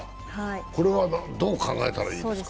これはどう考えたらいいですか？